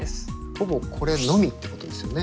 ほぼこれのみってことですよね。